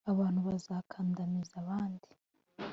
Abantu bazakandamiza abandi